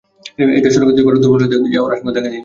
এতে সড়কের দুই পাড় দুর্বল হয়ে দেবে যাওয়ার আশঙ্কা দেখা দিয়েছে।